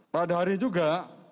pada hari juga